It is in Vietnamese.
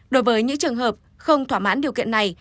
đối với những trường hợp không thỏa mãn điều kiện này